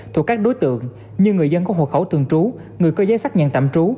thuộc các đối tượng như người dân có hộ khẩu thường trú người có giấy xác nhận tạm trú